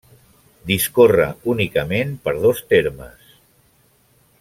Discorre únicament per dos termes: